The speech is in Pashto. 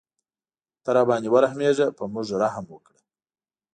ته راباندې ورحمېږه په موږ رحم وکړه.